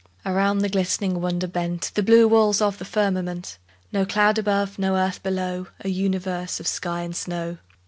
Around the glistening wonder bent The blue walls of the firmament, No cloud above, no earth below, A universe of sky and snow!